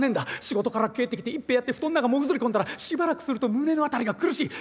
仕事から帰ってきて一杯やって布団の中もぐずり込んだらしばらくすると胸の辺りが苦しい。